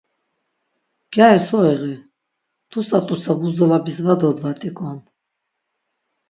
Gyari so iği, t̆utsa t̆utsa buzdolabis va dodvat̆ik̆on?